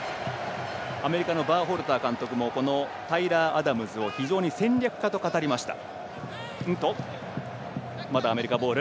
アメリカのバーホルター監督もタイラー・アダムズを非常に戦略家と語りました。